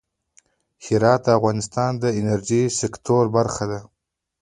هرات د افغانستان د انرژۍ سکتور برخه ده.